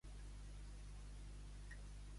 On va marxar el rei Dànau?